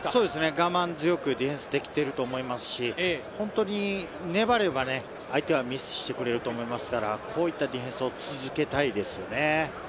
我慢強くディフェンスができていると思いますし、本当に粘れば、相手はミスしてくれると思いますから、こういったディフェンスを続けたいですよね。